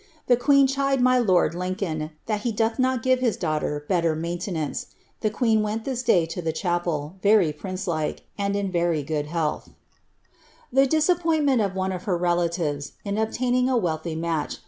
The ciiieen chid my lord Lincoln, that he doth not gire his daughter beiier niainlenance. The queen went this day to the chapel, very princ«lilU| and in very good health." Tlie diitappointraent of ( itires, in obtaining a woJlhy maich.